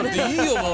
もう。